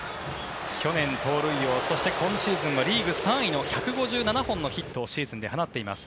去年、盗塁王そして今シーズンはリーグ３位の１５７本のヒットをシーズンで放っています。